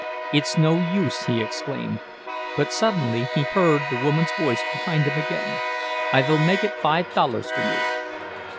"It's no use," he exclaimed—but suddenly he heard the woman's voice behind him again— "I vill make it five dollars for you."